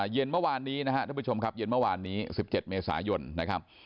เย็นเมื่อวานนี้นะครับท่านผู้ชมครับเย็นเมื่อวานนี้๑๗เมษายนนะครับ